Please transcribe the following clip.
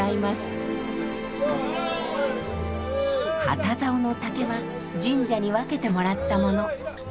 旗竿の竹は神社に分けてもらったもの。